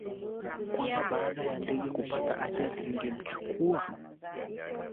kwamba baada ya ndege kupata ajali igemchukua